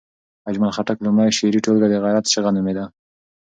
اجمل خټک لومړۍ شعري ټولګه د غیرت چغه نومېده.